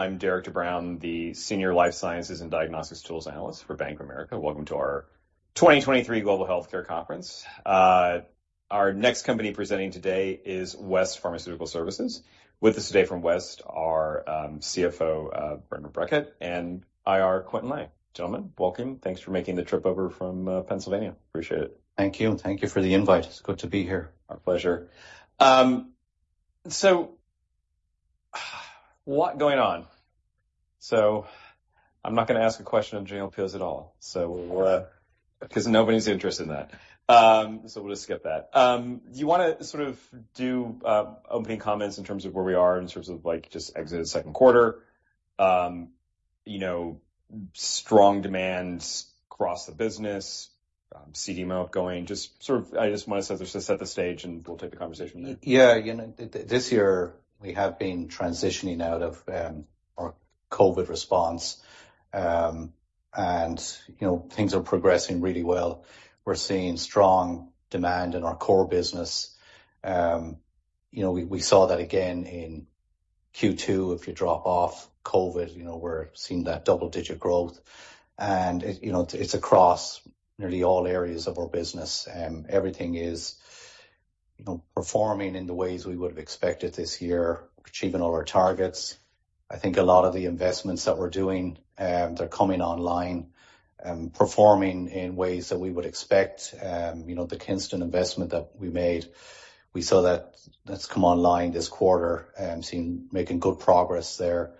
I'm Derik de Bruin, the Senior Life Sciences and Diagnostics Tools Analyst for Bank of America. Welcome to our 2023 Global Healthcare Conference. Our next company presenting today is West Pharmaceutical Services. With us today from West are, CFO, Bernard Birkett and IR, Quintin Lai. Gentlemen, welcome. Thanks for making the trip over from, Pennsylvania. Appreciate it. Thank you, and thank you for the invite. It's good to be here. Our pleasure. So what's going on? So I'm not gonna ask a question on general pills at all. So we'll 'cause nobody's interested in that. So we'll just skip that. Do you wanna sort of do opening comments in terms of where we are in terms of, like, just exited second quarter, you know, strong demands across the business, CDMO going. Just sort of, I just want to set the, set the stage, and we'll take the conversation from there. Yeah. You know, this year we have been transitioning out of our COVID response. And, you know, things are progressing really well. We're seeing strong demand in our core business. You know, we, we saw that again in Q2. If you drop off COVID, you know, we're seeing that double-digit growth, and it, you know, it's across nearly all areas of our business, and everything is, you know, performing in the ways we would have expected this year, achieving all our targets. I think a lot of the investments that we're doing, they're coming online, performing in ways that we would expect. You know, the Kinston investment that we made, we saw that, that's come online this quarter, seeing making good progress there.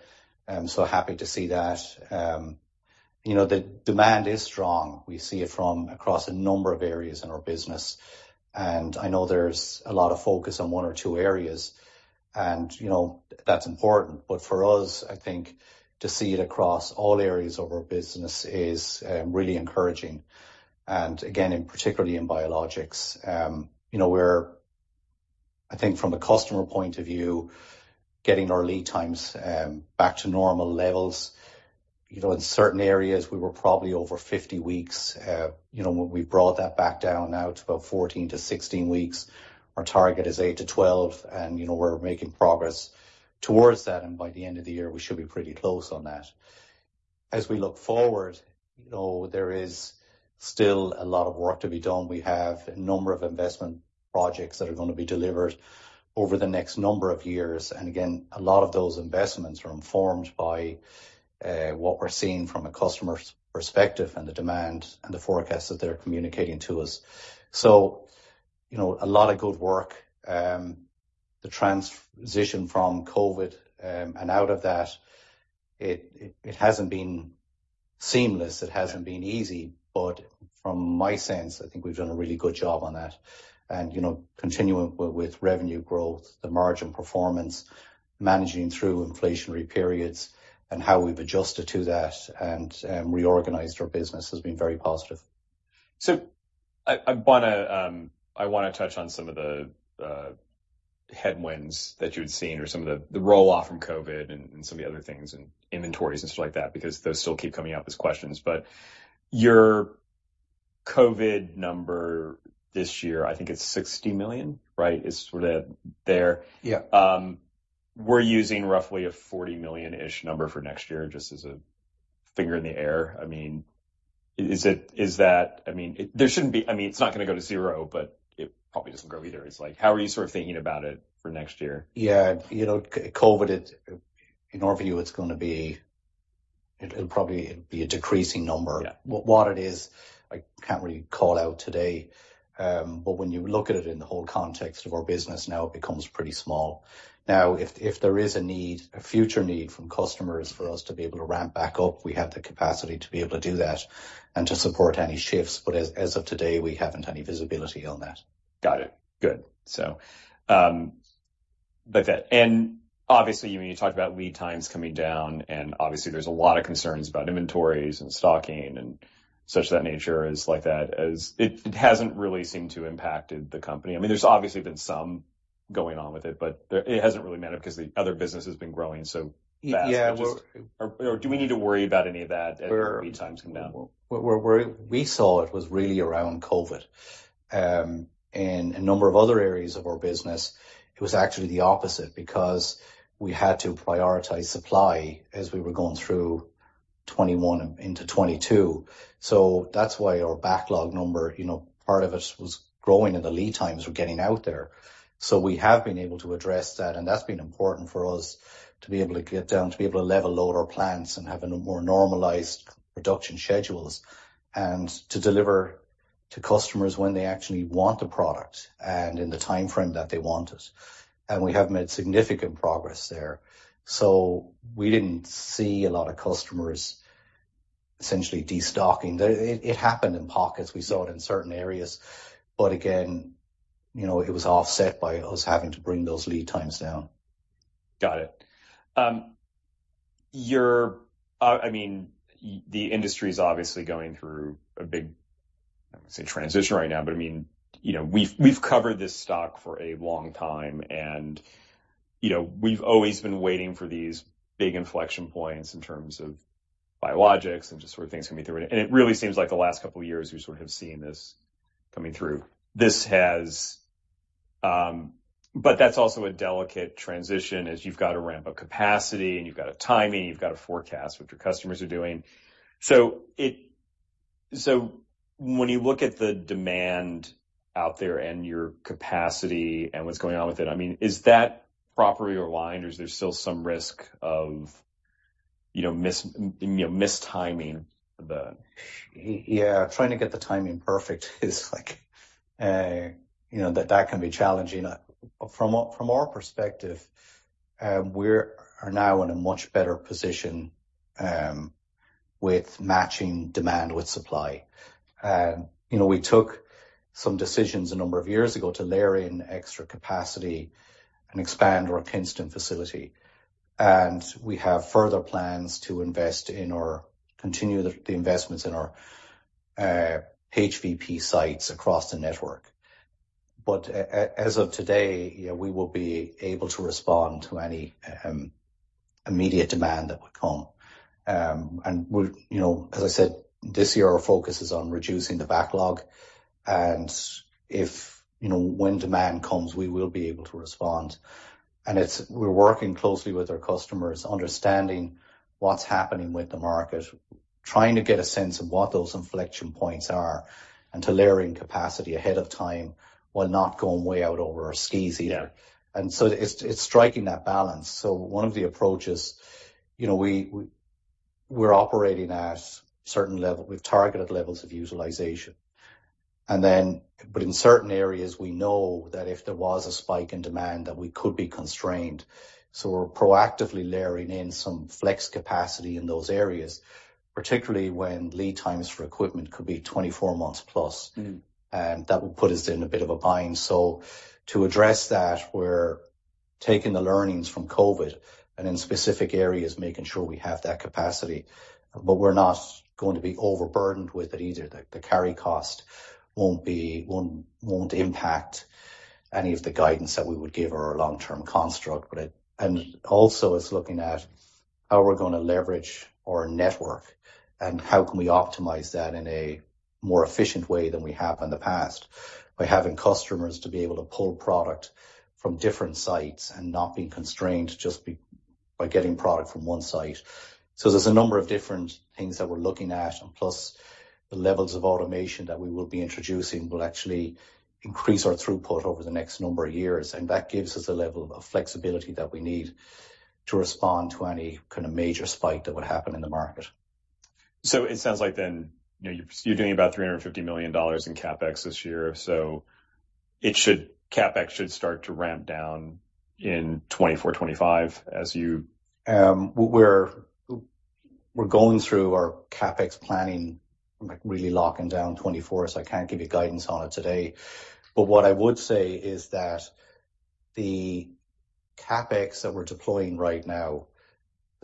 So happy to see that. You know, the demand is strong. We see it from across a number of areas in our business, and I know there's a lot of focus on one or two areas and, you know, that's important. But for us, I think to see it across all areas of our business is really encouraging. And again, particularly in biologics, you know, we're, I think, from a customer point of view, getting our lead times back to normal levels. You know, in certain areas, we were probably over 50 weeks. You know, we brought that back down now to about 14-16 weeks. Our target is eight-12, and, you know, we're making progress towards that, and by the end of the year, we should be pretty close on that. As we look forward, you know, there is still a lot of work to be done. We have a number of investment projects that are going to be delivered over the next number of years, and again, a lot of those investments are informed by what we're seeing from a customer's perspective and the demand and the forecasts that they're communicating to us. So, you know, a lot of good work, the transition from COVID and out of that, it hasn't been seamless, it hasn't been easy, but from my sense, I think we've done a really good job on that. And, you know, continuing with revenue growth, the margin performance, managing through inflationary periods and how we've adjusted to that and reorganized our business has been very positive. So I wanna touch on some of the headwinds that you'd seen or some of the roll-off from COVID and some of the other things and inventories and stuff like that, because those still keep coming out as questions. But your COVID number this year, I think it's $60 million, right? It's sort of there. Yeah. We're using roughly a $40 million-ish number for next year, just as a finger in the air. I mean, is it, is that—I mean, there shouldn't be... I mean, it's not gonna go to zero, but it probably doesn't grow either. It's like, how are you sort of thinking about it for next year? Yeah. You know, COVID, in our view, it's gonna be, it'll probably be a decreasing number. Yeah. What it is, I can't really call out today, but when you look at it in the whole context of our business, now it becomes pretty small. Now, if there is a need, a future need from customers for us to be able to ramp back up, we have the capacity to be able to do that and to support any shifts, but as of today, we haven't any visibility on that. Got it. Good. So, but that. And obviously, you when you talked about lead times coming down, and obviously there's a lot of concerns about inventories and stocking and such to that nature is like that, as it, it hasn't really seemed to impacted the company. I mean, there's obviously been some going on with it, but there, it hasn't really mattered because the other business has been growing so fast. Yeah. Or do we need to worry about any of that as lead times come down? Where we saw it was really around COVID, in a number of other areas of our business, it was actually the opposite because we had to prioritize supply as we were going through 2021 into 2022. So that's why our backlog number, you know, part of it was growing and the lead times were getting out there. So we have been able to address that, and that's been important for us to be able to get down, to be able to level load our plants and have a more normalized production schedules, and to deliver to customers when they actually want the product and in the timeframe that they want it. And we have made significant progress there. So we didn't see a lot of customers essentially destocking. There it happened in pockets. We saw it in certain areas, but again, you know, it was offset by us having to bring those lead times down. Got it. You're, I mean, the industry is obviously going through a big, I wouldn't say, transition right now, but I mean, you know, we've covered this stock for a long time and, you know, we've always been waiting for these big inflection points in terms of biologics and just sort of things coming through. And it really seems like the last couple of years, we've sort of seen this coming through. This has, but that's also a delicate transition, as you've got to ramp up capacity, and you've got a timing, you've got to forecast what your customers are doing. So when you look at the demand out there and your capacity and what's going on with it, I mean, is that properly aligned, or is there still some risk of, you know, mistiming the? Yeah, trying to get the timing perfect is like, you know, that, that can be challenging. From our, from our perspective, we are now in a much better position with matching demand with supply. And, you know, we took some decisions a number of years ago to layer in extra capacity and expand our Kinston facility, and we have further plans to invest in or continue the investments in our HVP sites across the network. But as of today, you know, we will be able to respond to any immediate demand that would come. And we'll, you know, as I said, this year, our focus is on reducing the backlog, and when demand comes, we will be able to respond. We're working closely with our customers, understanding what's happening with the market, trying to get a sense of what those inflection points are and to layer in capacity ahead of time while not going way out over our skis either. Yeah. It's striking that balance. So one of the approaches, you know, we're operating at a certain level. We've targeted levels of utilization. But in certain areas, we know that if there was a spike in demand, that we could be constrained. So we're proactively layering in some flex capacity in those areas, particularly when lead times for equipment could be 24 months+. Mm-hmm. And that will put us in a bit of a bind. So to address that, we're taking the learnings from COVID, and in specific areas, making sure we have that capacity, but we're not going to be overburdened with it either. The carry cost won't impact any of the guidance that we would give or our long-term construct. But it... And also, it's looking at how we're going to leverage our network and how can we optimize that in a more efficient way than we have in the past, by having customers to be able to pull product from different sites and not being constrained just by getting product from one site. There's a number of different things that we're looking at, and plus, the levels of automation that we will be introducing will actually increase our throughput over the next number of years, and that gives us a level of flexibility that we need to respond to any kind of major spike that would happen in the market. So it sounds like then, you know, you're, you're doing about $350 million in CapEx this year, so it should... CapEx should start to ramp down in 2024, 2025 as you- We're going through our CapEx planning, like, really locking down 2024, so I can't give you guidance on it today. But what I would say is that the CapEx that we're deploying right now,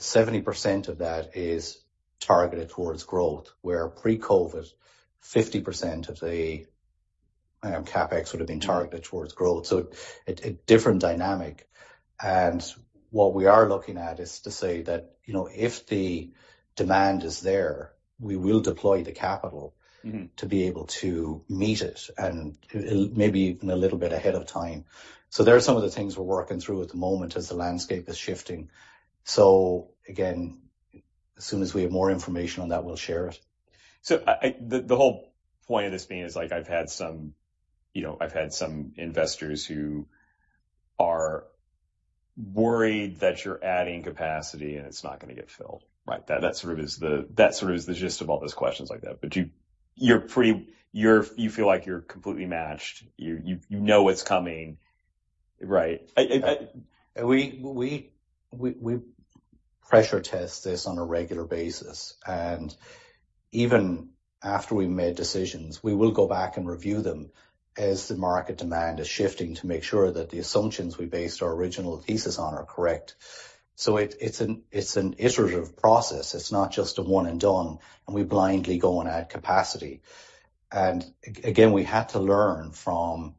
70% of that is targeted towards growth, where pre-COVID, 50% of the CapEx would have been targeted towards growth. So a different dynamic. And what we are looking at is to say that, you know, if the demand is there, we will deploy the capital- Mm-hmm To be able to meet it, and it maybe even a little bit ahead of time. So there are some of the things we're working through at the moment as the landscape is shifting. So again, as soon as we have more information on that, we'll share it. The whole point of this being is like I've had some, you know, I've had some investors who are worried that you're adding capacity and it's not going to get filled, right? That sort of is the gist of all those questions like that. But you're pretty-- you feel like you're completely matched. You know it's coming, right? I- We pressure test this on a regular basis, and even after we've made decisions, we will go back and review them as the market demand is shifting to make sure that the assumptions we based our original thesis on are correct. So it's an iterative process. It's not just a one and done, and we blindly go and add capacity. And again, we had to learn from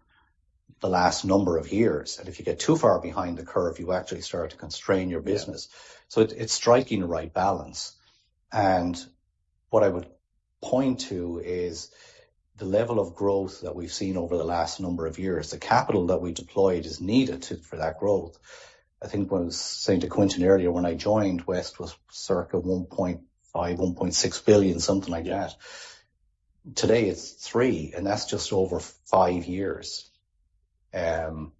the last number of years that if you get too far behind the curve, you actually start to constrain your business. Yeah. So it, it's striking the right balance. And what I would point to is the level of growth that we've seen over the last number of years, the capital that we deployed is needed to, for that growth. I think what I was saying to Quintin earlier, when I joined, West was circa $1.5-$1.6 billion, something like that. Today, it's $3 billion, and that's just over five years. And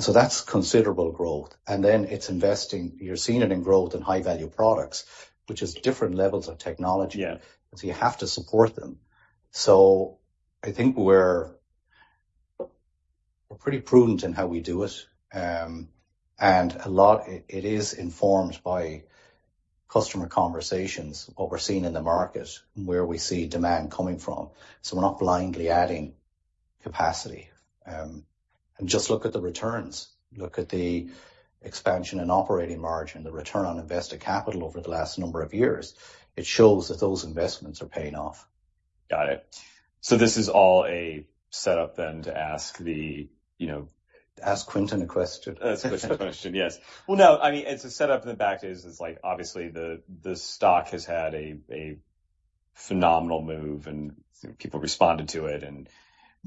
so that's considerable growth, and then it's investing. You're seeing it in growth in high-value products, which is different levels of technology. Yeah. So you have to support them. So I think we're pretty prudent in how we do it. And a lot, it is informed by customer conversations, what we're seeing in the market and where we see demand coming from. So we're not blindly adding capacity. And just look at the returns, look at the expansion and operating margin, the return on invested capital over the last number of years. It shows that those investments are paying off. Got it. So this is all a setup then to ask the, you know- Ask Quintin a question. Ask Quintin a question, yes. Well, no, I mean, it's a setup, and the fact is, is like, obviously the stock has had a phenomenal move, and people responded to it. And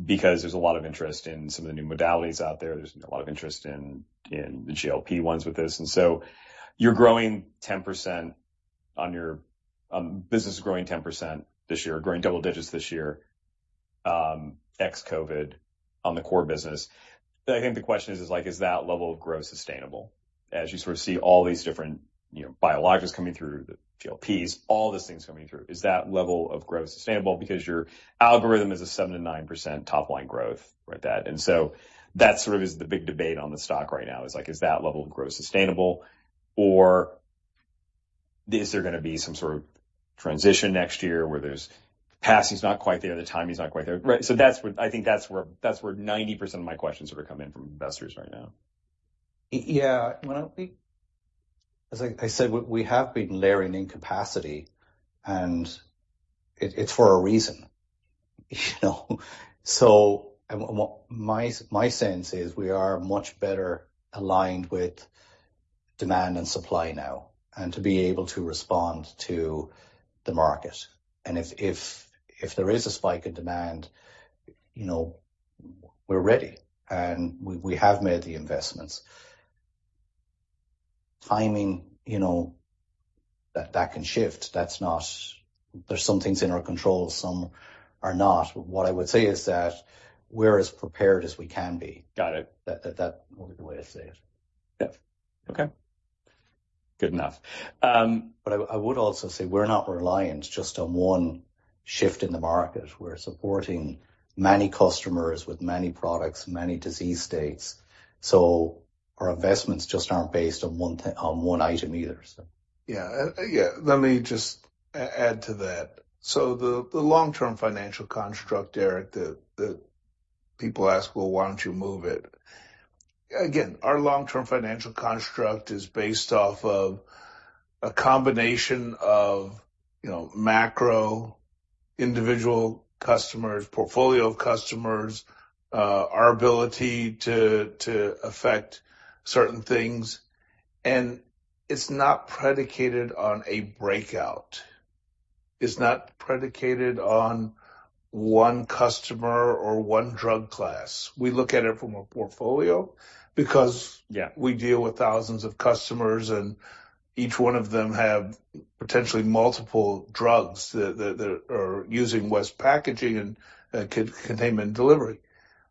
because there's a lot of interest in some of the new modalities out there, there's a lot of interest in the GLP-1s with this. And so you're growing 10% on your business is growing 10% this year, growing double digits this year, ex-COVID on the core business. I think the question is, is like, is that level of growth sustainable? As you sort of see all these different, you know, biologics coming through, the GLPs, all these things coming through, is that level of growth sustainable because your algorithm is a 7%-9% top-line growth, right, that. And so that sort of is the big debate on the stock right now, is like, is that level of growth sustainable, or is there gonna be some sort of transition next year where there's capacity's not quite there, the timing is not quite there, right? So that's where, I think that's where, that's where 90% of my questions are coming in from investors right now. Yeah, well, as I said, we have been layering in capacity, and it's for a reason, you know. So, my sense is we are much better aligned with demand and supply now and to be able to respond to the market. And if there is a spike in demand, you know, we're ready, and we have made the investments. Timing, you know, that can shift. That's not... There's some things in our control, some are not. What I would say is that we're as prepared as we can be. Got it. That would be the way to say it. Yeah. Okay. Good enough. But I would also say we're not reliant just on one shift in the market. We're supporting many customers with many products, many disease states. So our investments just aren't based on one thing, on one item either, so. Yeah. Yeah, let me just add to that. So the long-term financial construct, Derik, people ask, "Well, why don't you move it?" Again, our long-term financial construct is based off of a combination of, you know, macro, individual customers, portfolio of customers, our ability to affect certain things. And it's not predicated on a breakout. It's not predicated on one customer or one drug class. We look at it from a portfolio because- Yeah ...we deal with thousands of customers, and each one of them have potentially multiple drugs that are using West packaging and containment delivery.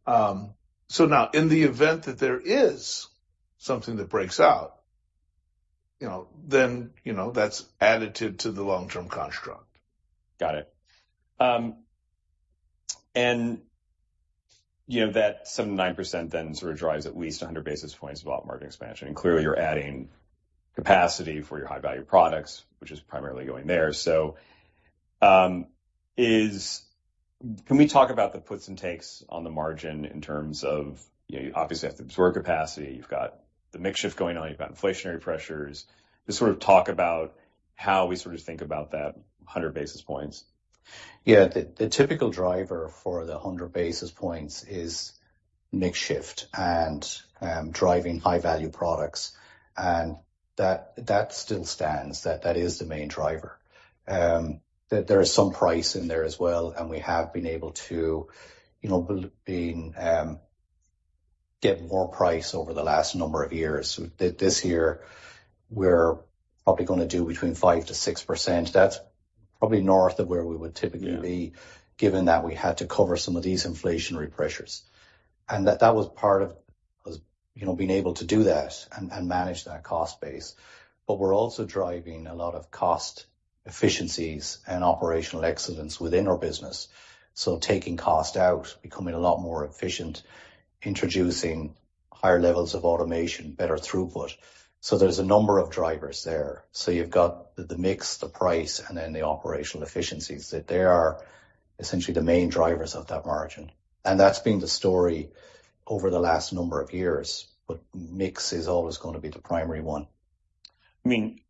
So now in the event that there is something that breaks out, you know, then, you know, that's additive to the long-term construct. Got it. And, you know, that 7%-9% then sort of drives at least 100 basis points of operating margin expansion. And clearly, you're adding capacity for your high-value products, which is primarily going there. So, can we talk about the puts and takes on the margin in terms of, you know, you obviously have to absorb capacity, you've got the mix shift going on, you've got inflationary pressures. Just sort of talk about how we sort of think about that 100 basis points. Yeah. The typical driver for the 100 basis points is mix shift and driving high-value products, and that still stands. That is the main driver. There is some price in there as well, and we have been able to, you know, get more price over the last number of years. This year, we're probably gonna do between 5%-6%. That's probably north of where we would typically be- Yeah... given that we had to cover some of these inflationary pressures. And that was part of, you know, being able to do that and manage that cost base. But we're also driving a lot of cost efficiencies and operational excellence within our business. So taking cost out, becoming a lot more efficient, introducing higher levels of automation, better throughput. So there's a number of drivers there. So you've got the mix, the price, and then the operational efficiencies, that they are essentially the main drivers of that margin. And that's been the story over the last number of years, but mix is always gonna be the primary one. I mean,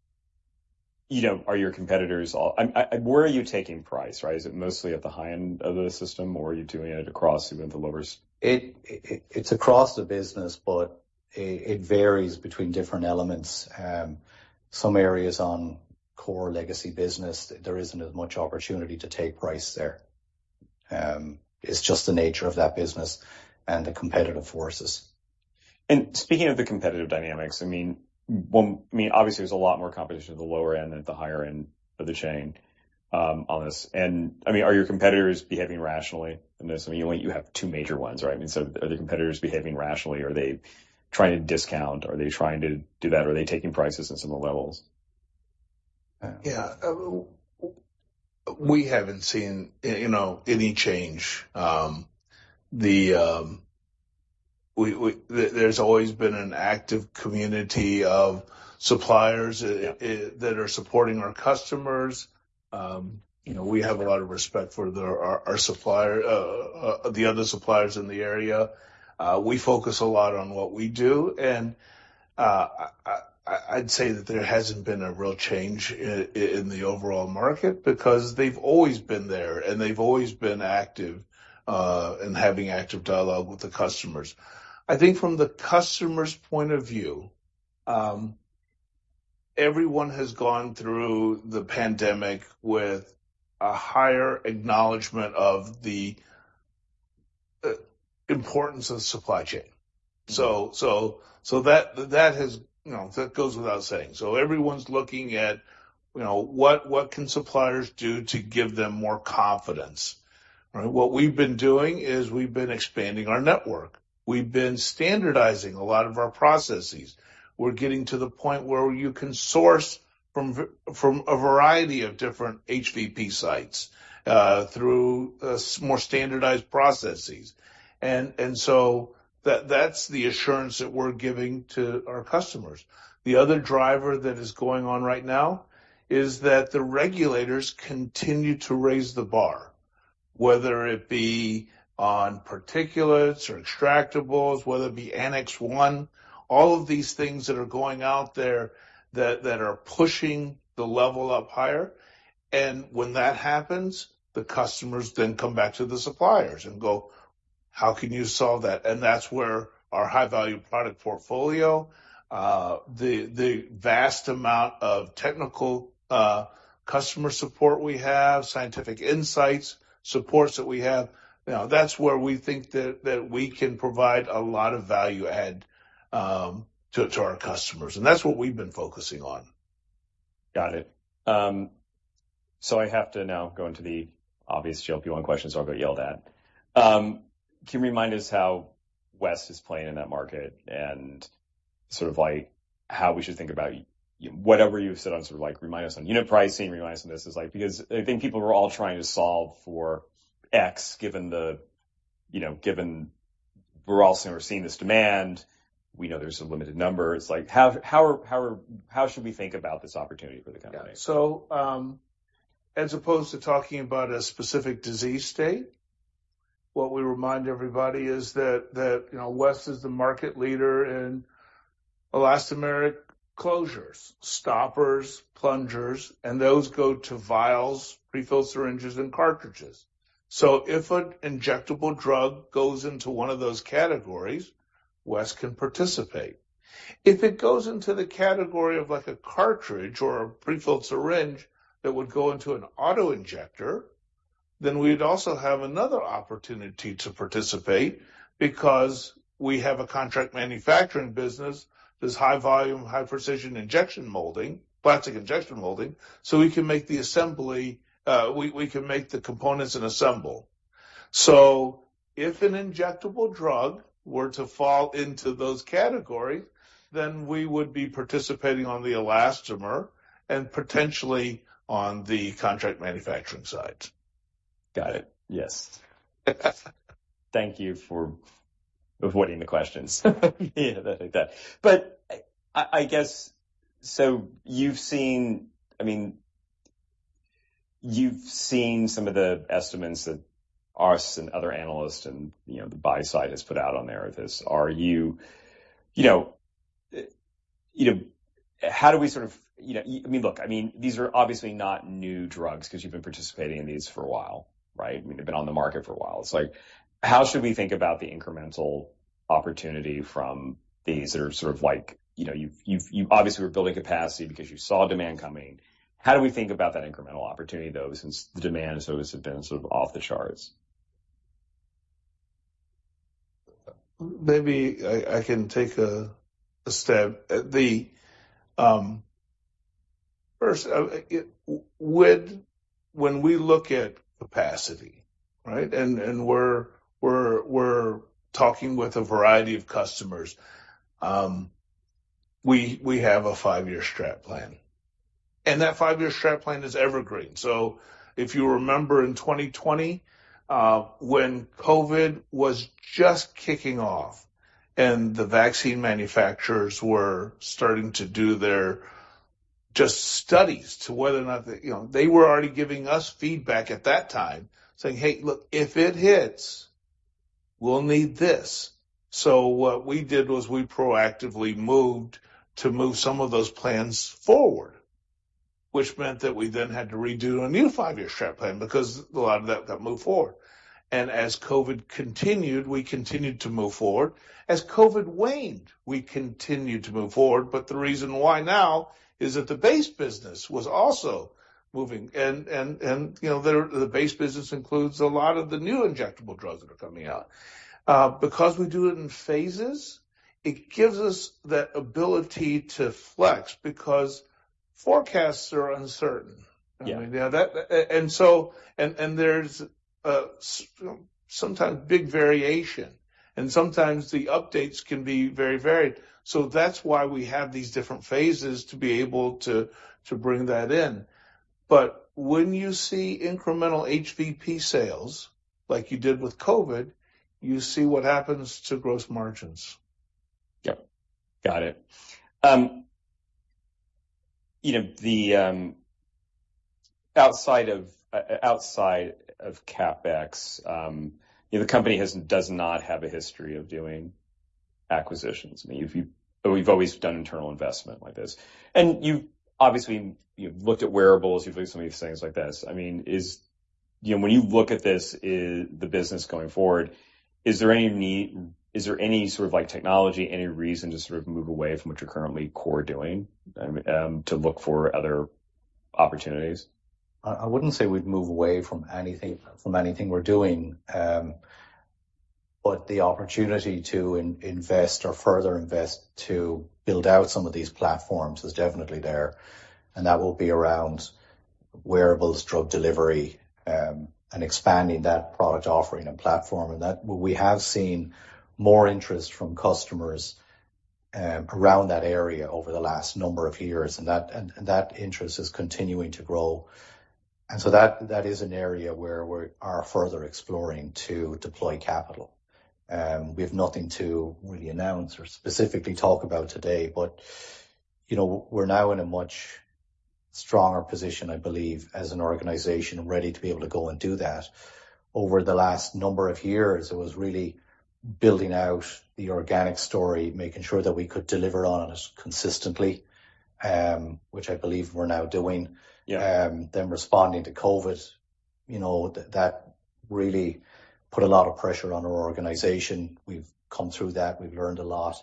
you know, are your competitors all, and where are you taking price, right? Is it mostly at the high end of the system, or are you doing it across even the lowers? It's across the business, but it varies between different elements. Some areas on core legacy business, there isn't as much opportunity to take price there. It's just the nature of that business and the competitive forces. And speaking of the competitive dynamics, I mean, well, I mean, obviously, there's a lot more competition at the lower end than at the higher end of the chain, on this. And I mean, are your competitors behaving rationally? I know you, you have two major ones, right? I mean, so are the competitors behaving rationally? Are they trying to discount? Are they trying to do that? Are they taking prices at similar levels? Yeah. We haven't seen, you know, any change. We- there's always been an active community of suppliers- Yeah... that are supporting our customers. You know, we have a lot of respect for their, our, our supplier, the other suppliers in the area. We focus a lot on what we do, and I'd say that there hasn't been a real change in the overall market because they've always been there, and they've always been active in having active dialogue with the customers. I think from the customer's point of view, everyone has gone through the pandemic with a higher acknowledgement of the importance of supply chain. So that has, you know, that goes without saying. So everyone's looking at, you know, what can suppliers do to give them more confidence, right? What we've been doing is we've been expanding our network. We've been standardizing a lot of our processes. We're getting to the point where you can source from a variety of different HVP sites, through more standardized processes. And so that's the assurance that we're giving to our customers. The other driver that is going on right now is that the regulators continue to raise the bar, whether it be on particulates or extractables, whether it be Annex 1, all of these things that are going out there that are pushing the level up higher. And when that happens, the customers then come back to the suppliers and go, "How can you solve that?" And that's where our high-value product portfolio, the vast amount of technical customer support we have, scientific insights, supports that we have, you know, that's where we think that we can provide a lot of value add, to our customers. That's what we've been focusing on. Got it. So I have to now go into the obvious GLP-1 question, so I'll get yelled at. Can you remind us how West is playing in that market and sort of like, how we should think about y- whatever you've said on sort of like remind us on unit pricing, remind us on this, is like because I think people are all trying to solve for X, given the, you know, given we're all seeing, we're seeing this demand. We know there's a limited number. It's like, how should we think about this opportunity for the company? So, as opposed to talking about a specific disease state, what we remind everybody is that, you know, West is the market leader in elastomeric closures, stoppers, plungers, and those go to vials, pre-filled syringes, and cartridges. So if an injectable drug goes into one of those categories, West can participate. If it goes into the category of like a cartridge or a pre-filled syringe that would go into an auto-injector, then we'd also have another opportunity to participate because we have a contract manufacturing business, this high volume, high precision injection molding, plastic injection molding, so we can make the assembly, we can make the components and assemble. So if an injectable drug were to fall into those categories, then we would be participating on the elastomer and potentially on the contract manufacturing side. Got it. Yes. Thank you for avoiding the questions. Yeah, that, like that. But I guess, so you've seen—I mean, you've seen some of the estimates that us and other analysts and, you know, the buy side has put out on there. This, are you... You know, you know, how do we sort of, you know, I mean, look, I mean, these are obviously not new drugs because you've been participating in these for a while, right? I mean, they've been on the market for a while. It's like, how should we think about the incremental opportunity from these that are sort of like, you know, you've, you obviously were building capacity because you saw demand coming. How do we think about that incremental opportunity, though, since the demand has always been sort of off the charts? Maybe I can take a stab at the first. When we look at capacity, right, and we're talking with a variety of customers, we have a five-year strat plan, and that five-year strat plan is evergreen. So if you remember in 2020, when COVID was just kicking off and the vaccine manufacturers were starting to do their just studies to whether or not that, you know, they were already giving us feedback at that time, saying: "Hey, look, if it hits, we'll need this." So what we did was we proactively moved to move some of those plans forward, which meant that we then had to redo a new five-year strat plan because a lot of that got moved forward. And as COVID continued, we continued to move forward. As COVID waned, we continued to move forward, but the reason why now is that the base business was also moving and, you know, the base business includes a lot of the new injectable drugs that are coming out. Because we do it in phases, it gives us that ability to flex because forecasts are uncertain. Yeah. I mean, yeah, that and so there's sometimes big variation, and sometimes the updates can be very varied. So that's why we have these different phases to be able to bring that in. But when you see incremental HVP sales, like you did with COVID, you see what happens to gross margins. Yep, got it. You know, the outside of CapEx, you know, the company has—does not have a history of doing acquisitions. I mean, if you—we've always done internal investment like this, and you've obviously, you've looked at wearables, you've looked at so many things like this. I mean, you know, when you look at this, is the business going forward, is there any need—is there any sort of, like, technology, any reason to sort of move away from what you're currently core doing, to look for other opportunities? I wouldn't say we'd move away from anything, from anything we're doing, but the opportunity to invest or further invest to build out some of these platforms is definitely there, and that will be around wearables, drug delivery, and expanding that product offering and platform. And we have seen more interest from customers around that area over the last number of years, and that interest is continuing to grow. And so that is an area where we are further exploring to deploy capital. We have nothing to really announce or specifically talk about today, but, you know, we're now in a much stronger position, I believe, as an organization ready to be able to go and do that. Over the last number of years, it was really building out the organic story, making sure that we could deliver on it consistently, which I believe we're now doing. Yeah. Then responding to COVID, you know, that really put a lot of pressure on our organization. We've come through that, we've learned a lot,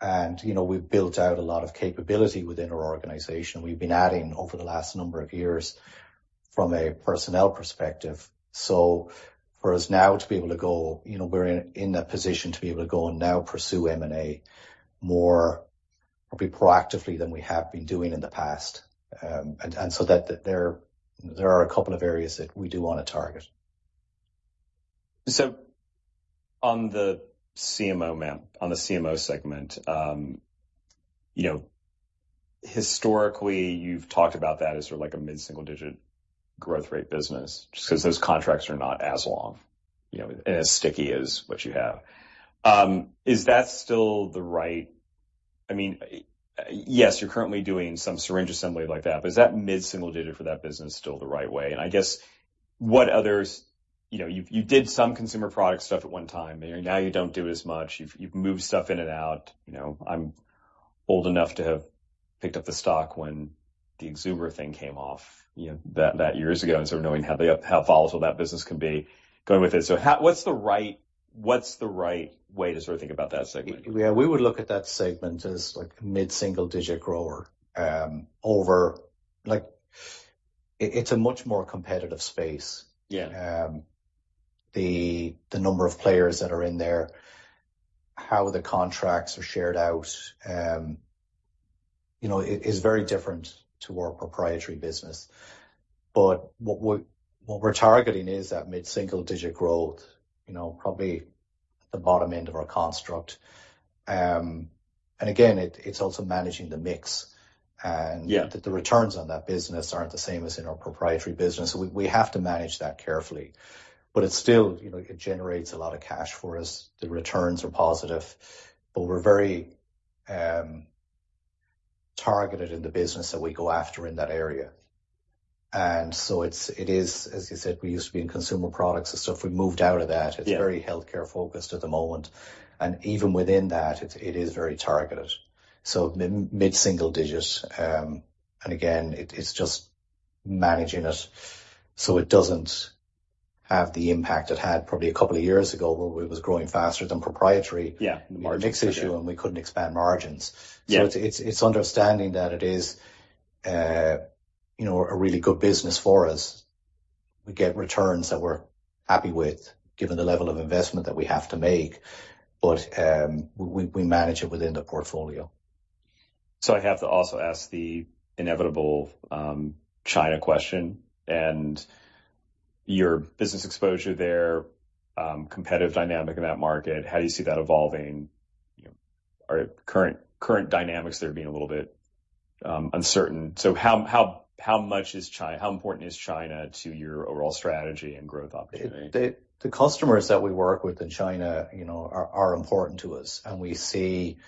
and, you know, we've built out a lot of capability within our organization. We've been adding over the last number of years from a personnel perspective. So for us now to be able to go, you know, we're in a position to be able to go and now pursue M&A more probably proactively than we have been doing in the past. And so that there are a couple of areas that we do want to target. So on the CMO, man, on the CMO segment, you know, historically, you've talked about that as sort of like a mid-single digit growth rate business, just 'cause those contracts are not as long, you know, and as sticky as what you have. Is that still the right... I mean, yes, you're currently doing some syringe assembly like that, but is that mid-single digit for that business still the right way? And I guess what others-- you know, you, you did some consumer product stuff at one time, and now you don't do it as much. You've, you've moved stuff in and out. You know, I'm old enough to have picked up the stock when the Exubera thing came off, you know, that, that years ago, and so knowing how the, how volatile that business can be going with it. So how... What's the right way to sort of think about that segment? Yeah, we would look at that segment as like a mid-single digit grower, over like... It's a much more competitive space. Yeah. The number of players that are in there, how the contracts are shared out, you know, it is very different to our proprietary business. But what we're targeting is that mid-single digit growth, you know, probably at the bottom end of our construct. And again, it's also managing the mix, and- Yeah The returns on that business aren't the same as in our proprietary business. So we, we have to manage that carefully. But it's still, you know, it generates a lot of cash for us. The returns are positive, but we're very targeted in the business that we go after in that area. And so it's, it is, as you said, we used to be in consumer products and stuff. We moved out of that. Yeah. It's very healthcare-focused at the moment, and even within that, it is very targeted. So mid-single digits, and again, it's just managing it so it doesn't have the impact it had probably a couple of years ago, where it was growing faster than proprietary. Yeah. The mix issue, and we couldn't expand margins. Yeah. So it's understanding that it is, you know, a really good business for us. We get returns that we're happy with, given the level of investment that we have to make, but we manage it within the portfolio. So I have to also ask the inevitable China question and your business exposure there, competitive dynamic in that market. How do you see that evolving? You know, are current dynamics there being a little bit uncertain. So how much is China? How important is China to your overall strategy and growth opportunity? The customers that we work with in China, you know, are important to us, and we see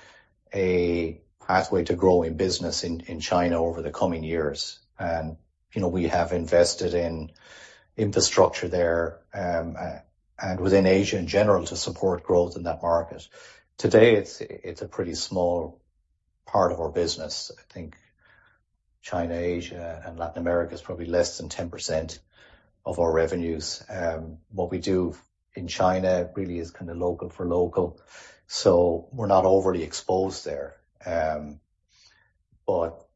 a pathway to growing business in China over the coming years. You know, we have invested in infrastructure there and within Asia in general, to support growth in that market. Today, it's a pretty small part of our business. I think China, Asia, and Latin America is probably less than 10% of our revenues. What we do in China really is kinda local for local, so we're not overly exposed there. But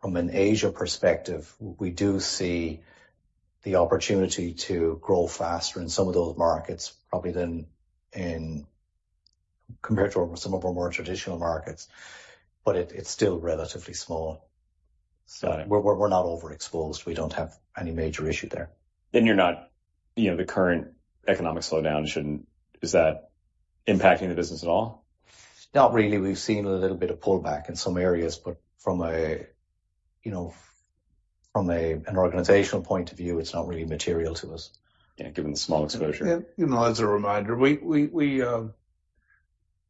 from an Asia perspective, we do see the opportunity to grow faster in some of those markets, probably than in compared to some of our more traditional markets, but it's still relatively small. Got it. We're not overexposed. We don't have any major issue there. Then, you're not, you know, the current economic slowdown shouldn't— Is that impacting the business at all? Not really. We've seen a little bit of pullback in some areas, but from a, you know, an organizational point of view, it's not really material to us. Yeah, given the small exposure. Yeah. You know, as a reminder, we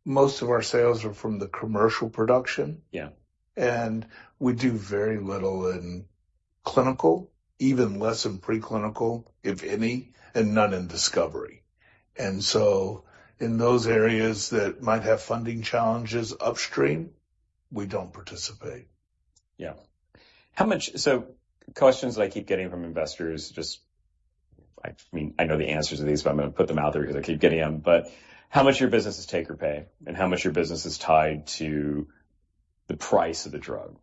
most of our sales are from the commercial production. Yeah. We do very little in clinical, even less in preclinical, if any, and none in discovery. And so in those areas that might have funding challenges upstream, we don't participate.... Yeah. How much—so questions that I keep getting from investors, just, I mean, I know the answers to these, but I'm going to put them out there because I keep getting them. But how much of your business is take or pay, and how much of your business is tied to the price of the drug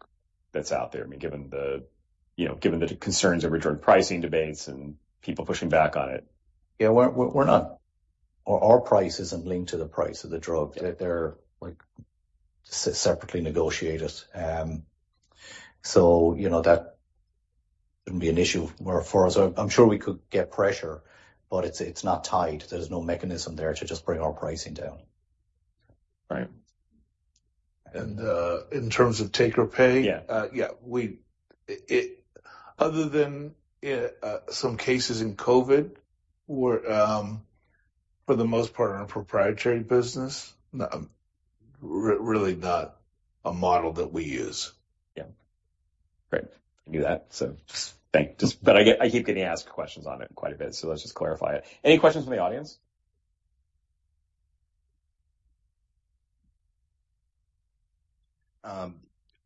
that's out there? I mean, given the, you know, given the concerns over drug pricing debates and people pushing back on it. Yeah, we're not. Our price isn't linked to the price of the drug. They're like separately negotiated. So, you know, that wouldn't be an issue for us. I'm sure we could get pressure, but it's not tied. There's no mechanism there to just bring our pricing down. Right. In terms of take or pay? Yeah. Yeah, other than some cases in COVID, where for the most part on a proprietary business, really not a model that we use. Yeah. Great. I knew that, so just thank you. But I get, I keep getting asked questions on it quite a bit, so let's just clarify it. Any questions from the audience?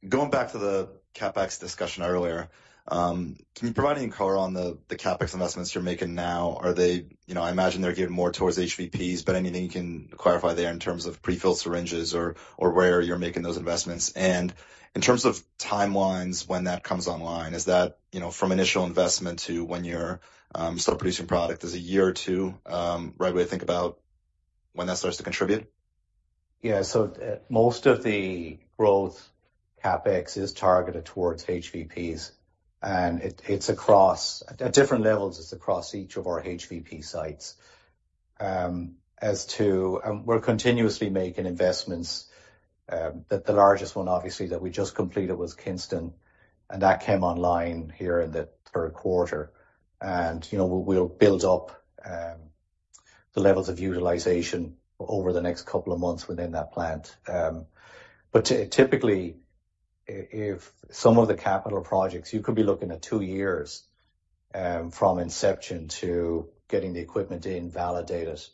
Going back to the CapEx discussion earlier, can you provide any color on the CapEx investments you're making now? Are they. You know, I imagine they're geared more towards HVPs, but anything you can clarify there in terms of pre-filled syringes or where you're making those investments. And in terms of timelines, when that comes online, is that, you know, from initial investment to when you're still producing product, is a year or two, right way to think about when that starts to contribute? Yeah. So most of the growth CapEx is targeted towards HVPs, and it, it's across at different levels, it's across each of our HVP sites. And we're continuously making investments that the largest one, obviously, that we just completed was Kinston, and that came online here in the third quarter. And, you know, we'll build up the levels of utilization over the next couple of months within that plant. But typically, if some of the capital projects, you could be looking at two years from inception to getting the equipment in, validate it,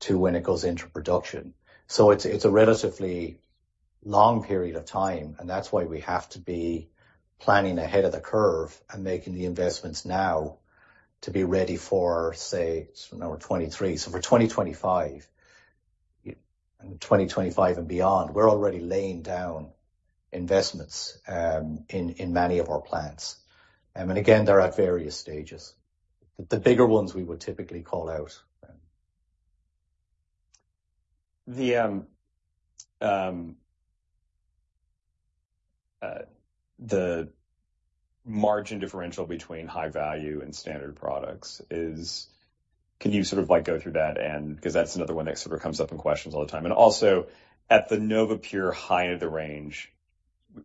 to when it goes into production. So it's a relatively long period of time, and that's why we have to be planning ahead of the curve and making the investments now to be ready for, say, now we're 2023, so for 2025, 2025 and beyond, we're already laying down investments in many of our plants. And again, they're at various stages. The bigger ones we would typically call out. The margin differential between high value and standard products is... Can you sort of, like, go through that? And because that's another one that sort of comes up in questions all the time. And also at the NovaPure high end of the range,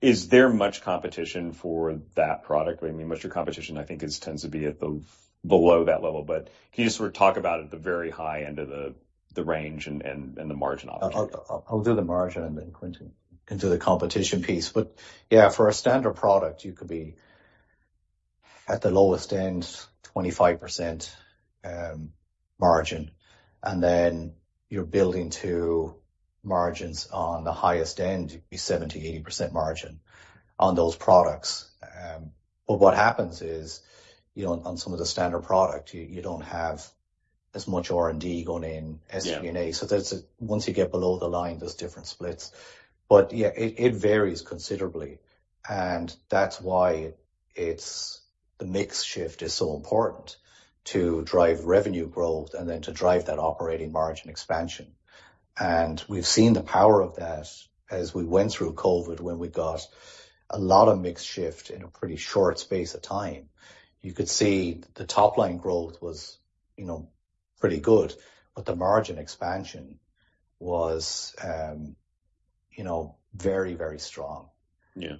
is there much competition for that product? I mean, most of your competition, I think, is tends to be at the below that level. But can you just sort of talk about at the very high end of the range and the margin option? I'll do the margin, and then Quintin can do the competition piece. But yeah, for a standard product, you could be at the lowest end, 25% margin, and then you're building to margins on the highest end, be 78% margin on those products. But what happens is, you know, on some of the standard product, you don't have as much R&D going in, SG&A. Yeah. So there's, once you get below the line, there's different splits. But yeah, it varies considerably, and that's why it's the mix shift is so important to drive revenue growth and then to drive that operating margin expansion. And we've seen the power of that as we went through COVID, when we got a lot of mix shift in a pretty short space of time. You could see the top-line growth was, you know, pretty good, but the margin expansion was, you know, very, very strong. Yeah.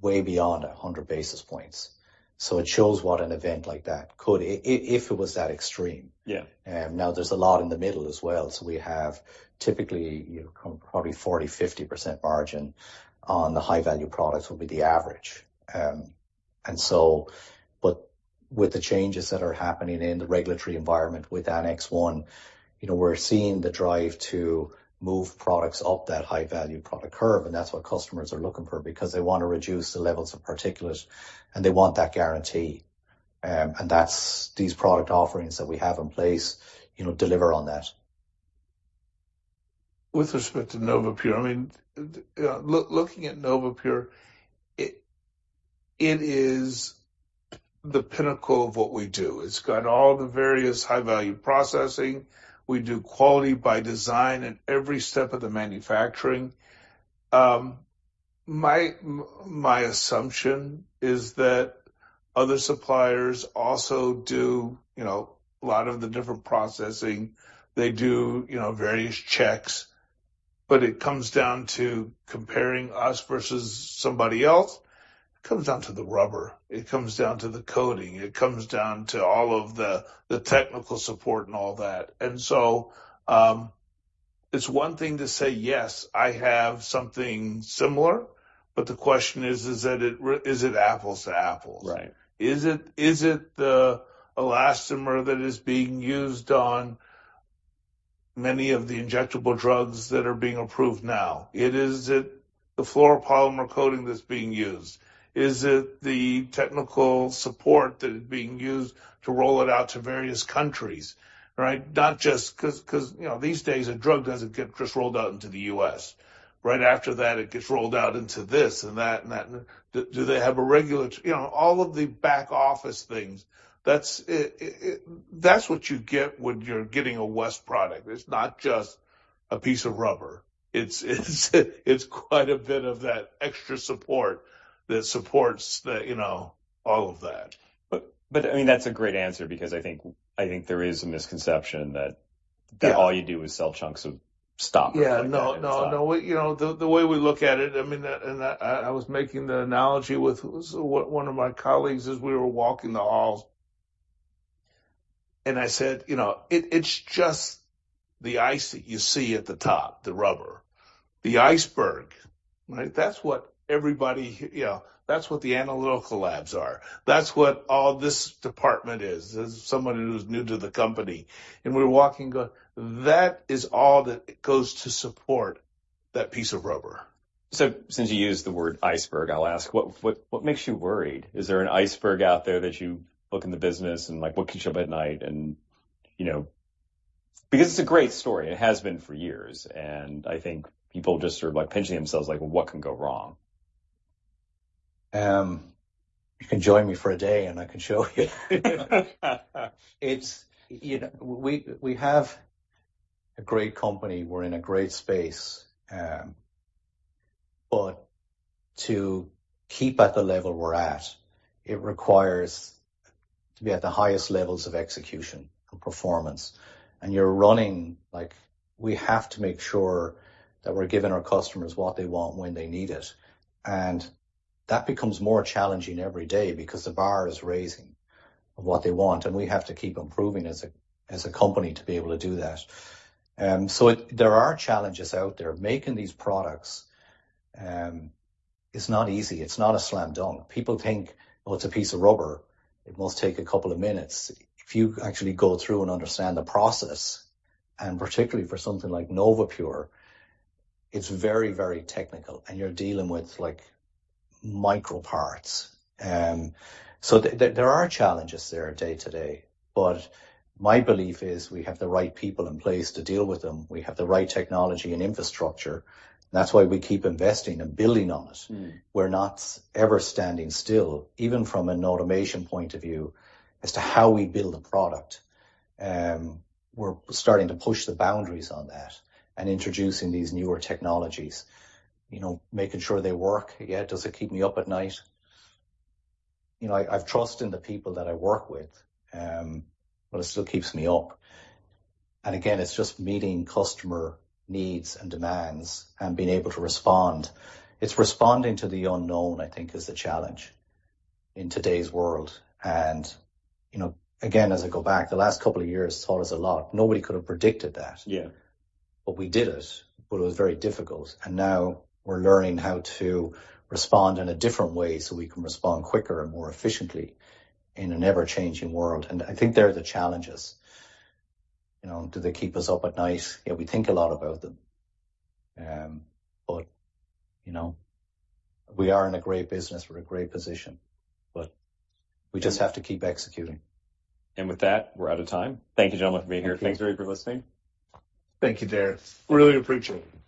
Way beyond 100 basis points. So it shows what an event like that could, if it was that extreme. Yeah. Now there's a lot in the middle as well, so we have typically, you know, probably 40%-50% margin on the High-Value Products would be the average. And so, but with the changes that are happening in the regulatory environment with Annex 1, you know, we're seeing the drive to move products up that high-value product curve, and that's what customers are looking for because they want to reduce the levels of particulates, and they want that guarantee. And that's these product offerings that we have in place, you know, deliver on that. With respect to NovaPure, I mean, looking at NovaPure, it is the pinnacle of what we do. It's got all the various high-value processing. We do Quality by Design in every step of the manufacturing. My assumption is that other suppliers also do, you know, a lot of the different processing. They do, you know, various checks, but it comes down to comparing us versus somebody else. It comes down to the rubber, it comes down to the coating, it comes down to all of the technical support and all that. And so, it's one thing to say, "Yes, I have something similar," but the question is, is that it, is it apples to apples? Right. Is it, is it the elastomer that is being used on many of the injectable drugs that are being approved now? Is it the fluoropolymer coating that's being used? Is it the technical support that is being used to roll it out to various countries, right? Not just 'cause, 'cause, you know, these days, a drug doesn't get just rolled out into the U.S. Right after that, it gets rolled out into this and that and that. Do they have a regular, you know, all of the back-office things, that's it, it, that's what you get when you're getting a West product. It's not just a piece of rubber. It's, it's, it's quite a bit of that extra support that supports the, you know, all of that. But I mean, that's a great answer because I think there is a misconception that- Yeah. all you do is sell chunks of stock. Yeah. No, no. You know, the way we look at it, I mean, I was making the analogy with one of my colleagues as we were walking the halls, and I said, "You know, it's just the ice that you see at the top, the rubber. The iceberg, right? That's what everybody, you know, that's what the analytical labs are. That's what all this department is," as somebody who's new to the company, and we're walking going, "That is all that goes to support that piece of rubber. So since you used the word iceberg, I'll ask, what makes you worried? Is there an iceberg out there that you look in the business and, like, what keeps you up at night? And, you know, because it's a great story, and it has been for years, and I think people just are, like, pinching themselves, like, "What can go wrong? You can join me for a day, and I can show you. It's... You know, we have a great company. We're in a great space. But to keep at the level we're at, it requires to be at the highest levels of execution and performance. And you're running, like, we have to make sure that we're giving our customers what they want when they need it, and that becomes more challenging every day because the bar is raising of what they want, and we have to keep improving as a company to be able to do that. So there are challenges out there. Making these products is not easy. It's not a slam dunk. People think, "Well, it's a piece of rubber, it must take a couple of minutes." If you actually go through and understand the process, and particularly for something like NovaPure, it's very, very technical, and you're dealing with, like, micro parts. So there are challenges there day to day, but my belief is we have the right people in place to deal with them. We have the right technology and infrastructure. That's why we keep investing and building on it. Mm. We're not ever standing still, even from an automation point of view, as to how we build a product. We're starting to push the boundaries on that and introducing these newer technologies, you know, making sure they work. Yeah, does it keep me up at night? You know, I, I've trust in the people that I work with, but it still keeps me up. And again, it's just meeting customer needs and demands and being able to respond. It's responding to the unknown, I think, is the challenge in today's world. And, you know, again, as I go back, the last couple of years taught us a lot. Nobody could have predicted that. Yeah. But we did it, but it was very difficult, and now we're learning how to respond in a different way so we can respond quicker and more efficiently in an ever-changing world. And I think they're the challenges. You know, do they keep us up at night? Yeah, we think a lot about them. But, you know, we are in a great business. We're in a great position, but we just have to keep executing. With that, we're out of time. Thank you, gentlemen, for being here. Thanks, everybody, for listening. Thank you, Derik. Really appreciate it.